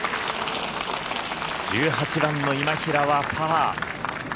１８番の今平はパー。